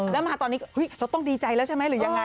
แล้วมาตอนนี้เราต้องดีใจแล้วใช่ไหมหรือยังไง